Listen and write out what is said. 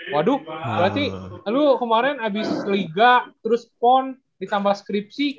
waduh berarti aduh kemarin abis liga terus pon ditambah skripsi